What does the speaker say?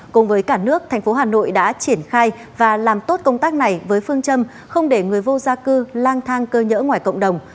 cùng với cả nước thành phố hà nội đã triển khai và làm tốt công tác này với phương châm không để người vô gia cư lang thang cơ nhỡ ngoài cộng đồng